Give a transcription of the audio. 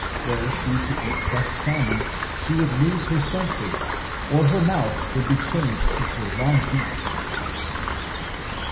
Were she to eat fresh salmon she would lose her senses, or her mouth would be changed into a long beak.